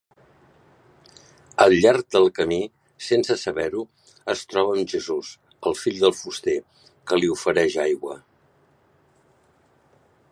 Al llarg del camí, sense saber-ho, es troba amb Jesús, el fill del fuster, que li ofereix aigua.